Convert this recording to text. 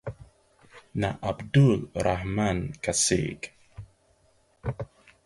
na Abdul-Rahman Kassig